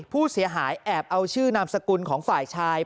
ผู้เสียหายแอบเอาชื่อนามสกุลของฝ่ายชาย